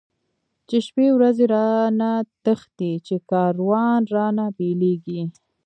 چی شپی ورځی را نه تښتی، چی کاروان را نه بیلیږی